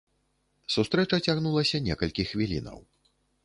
Сустрэча цягнулася некалькі хвілінаў.